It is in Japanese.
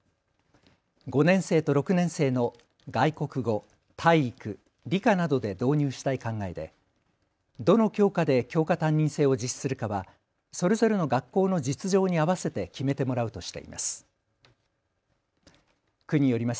５年生と６年生の外国語、体育、理科などで導入したい考えでどの教科で教科担任制を実施するかはそれぞれの学校の実情に合わせて決めてもらうとしています。